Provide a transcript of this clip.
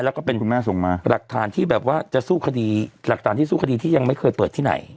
แล้วก็เป็นคุณแม่ส่งมาหลักฐานที่แบบว่าจะสู้คดีหลักฐานที่สู้คดีที่ยังไม่เคยเปิดที่ไหน